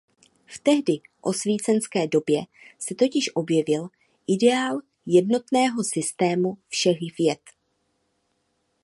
V tehdy osvícenské době se totiž objevil „ideál jednotného systému všech věd“.